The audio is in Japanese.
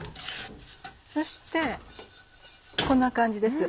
そしてこんな感じです。